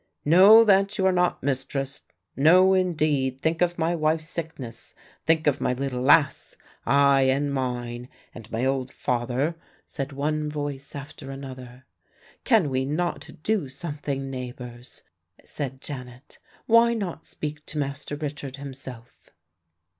"No, that you are not, mistress," "No, indeed, think of my wife's sickness," "Think of my little lass," "Ay, and mine," "And my old father," said one voice after another. "Can we not do something, neighbours?" said Janet. "Why not speak to Master Richard himself?"